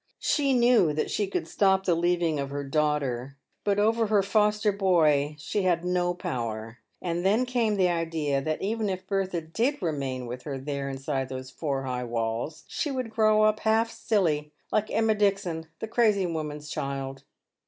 She knew that she could stop the leaving of her daughter, but over her foster boy she had no power ; and then came the idea that even if Bertha did remain with her there inside those four high walls, she would grow up half silly, like Emma Dixon, the crazy woman's child.